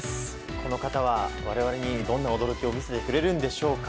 この方は我々にどんな驚きを見せてくれるんでしょうか。